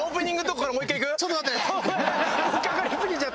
かかりすぎちゃって。